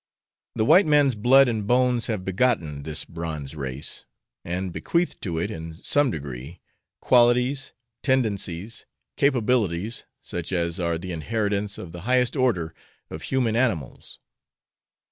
The white man's blood and bones have begotten this bronze race, and bequeathed to it in some degree qualities, tendencies, capabilities, such as are the inheritance of the highest order of human animals.